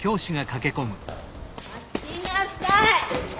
待ちなさい！